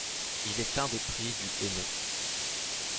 Il est un des Prix du Hainaut.